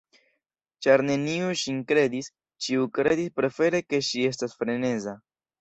Ĉar neniu ŝin kredis, ĉiu kredis prefere ke ŝi estas freneza.